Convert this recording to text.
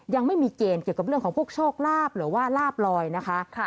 ยังไม่มีเกณฑ์เกี่ยวกับเรื่องของพวกโชคลาภหรือว่าลาบลอยนะคะ